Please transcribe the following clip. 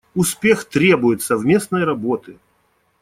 Успех требует совместной работы.